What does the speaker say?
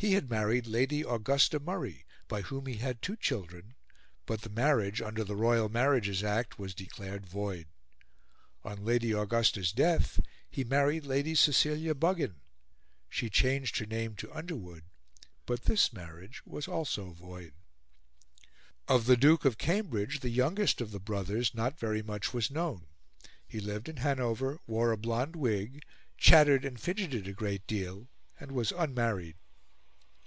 He had married Lady Augusta Murray, by whom he had two children, but the marriage, under the Royal Marriages Act, was declared void. On Lady Augusta's death, he married Lady Cecilia Buggin; she changed her name to Underwood, but this marriage also was void. Of the Duke of Cambridge, the youngest of the brothers, not very much was known. He lived in Hanover, wore a blonde wig, chattered and fidgeted a great deal, and was unmarried.